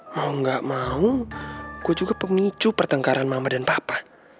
mau gak mau kok juga pemicu pertengkaran mama dan papa